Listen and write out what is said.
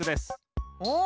お！